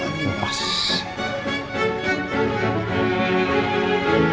jangan bawa andi